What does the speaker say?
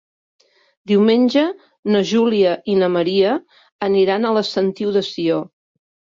Diumenge na Júlia i na Maria aniran a la Sentiu de Sió.